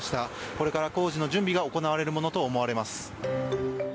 これから工事の準備が行われるものとみられます。